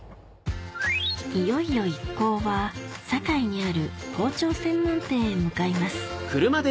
いよいよ一行は堺にある包丁専門店へ向かいます